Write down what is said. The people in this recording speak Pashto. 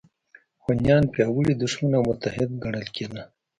هونیان پیاوړی دښمن او متحد ګڼل کېده